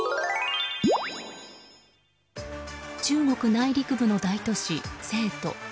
中国内陸部の大都市・成都。